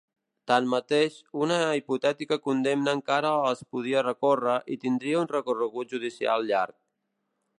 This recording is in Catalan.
Tanmateix, una hipotètica condemna encara es podria recórrer i tindria un recorregut judicial llarg.